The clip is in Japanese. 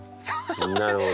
なるほど。